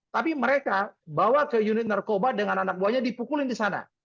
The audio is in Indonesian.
tapi mereka bawa ke unit narkoba dengan anak buahnya dipukulin di sana